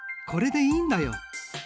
これでいいんだよ。